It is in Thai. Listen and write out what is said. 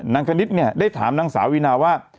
คณิตเนี่ยได้ถามนางสาววินาว่า